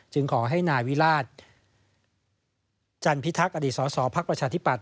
ขอให้นายวิราชจันพิทักษ์อดีตสสพักประชาธิปัต